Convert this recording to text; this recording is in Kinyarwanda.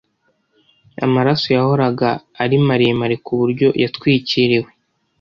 Amaraso yahoraga ari maremare kuburyo yatwikiriwe